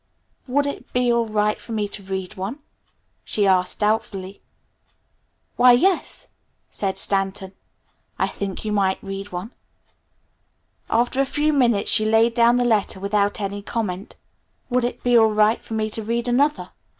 "Would it be all right for me to read one?" she asked doubtfully. "Why, yes," said Stanton. "I think you might read one." After a few minutes she laid down the letter without any comment. "Would it be all right for me to read another?"